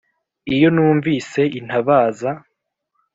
iyo numvise intabaza